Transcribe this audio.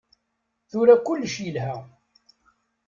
Tura kullec yelha.